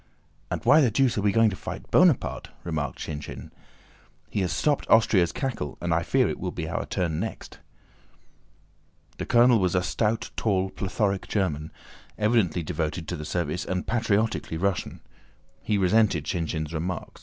"And why the deuce are we going to fight Bonaparte?" remarked Shinshín. "He has stopped Austria's cackle and I fear it will be our turn next." The colonel was a stout, tall, plethoric German, evidently devoted to the service and patriotically Russian. He resented Shinshín's remark.